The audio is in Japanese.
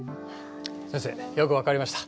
先生よく分かりました。